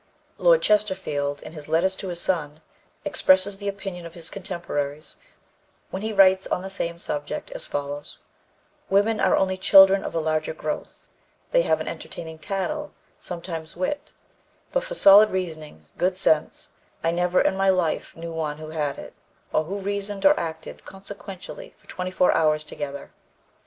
Lord Chesterfield, in His Letters to His Son, expresses the opinion of his contemporaries when he writes on the same subject as follows: "Women are only children of a larger growth; they have an entertaining tattle, sometimes wit; but, for solid reasoning, good sense, I never in my life knew one who had it, or who reasoned or acted consequentially for twenty four hours together....